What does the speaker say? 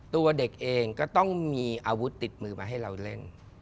ตัวเด็กเองก็ต้องมีอาวุธติดมือมาให้เราเล่น